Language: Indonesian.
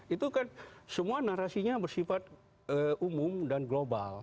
itu kan semua narasinya bersifat umum dan global